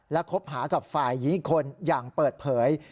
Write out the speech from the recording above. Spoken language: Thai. และคบหากับฝ่ายหญิงอีกคนอย่างเปิดเผย